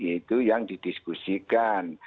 itu yang didiskusikan